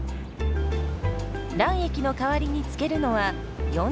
卵液の代わりにつけるのは４０℃のお湯。